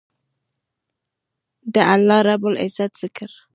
د الله رب العزت ذکر